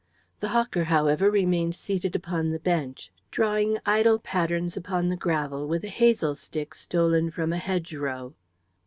The hawker, however, remained seated upon the bench, drawing idle patterns upon the gravel with a hazel stick stolen from a hedgerow.